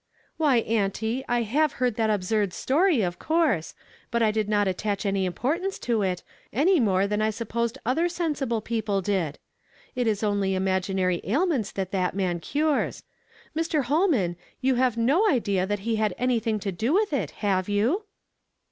" Why, auntie, I have heard that absurd story, of course ; but I did not attach any importance to it, any more than I supposed other sensible people did. It is only imaginary ailments that that man cures. iNIr. Ilolman, you have no idea that he had anything to do with it, have you